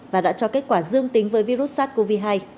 và đã cho kết quả dương tính với virus sars cov hai